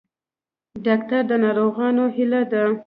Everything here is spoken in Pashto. ډاکټر د ناروغانو هیله ده